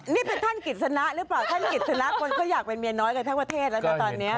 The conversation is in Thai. นี่เป็นท่านกิจสนะหรือเปล่าท่านกิจสนะคนเขาอยากเป็นเมียน้อยกันทั้งประเทศแล้วนะตอนนี้